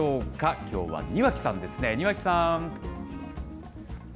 きょうは庭木さんですね、庭木さん。